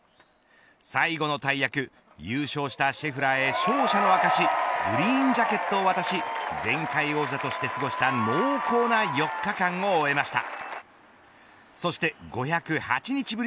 最後の大役優勝したシェフラーへ勝者の証しグリーンジャケットを渡し前回王者として過ごした濃厚な４日間を終えました。